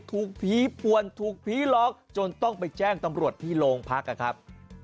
ถูกผีป่วนถูกผีหลอกจนต้องไปแจ้งตำรวจที่โรงพักนะครับ